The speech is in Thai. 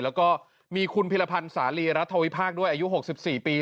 แล้วก็มีคุณพิรพันธ์สาลีรัฐวิพากษ์ด้วยอายุ๖๔ปี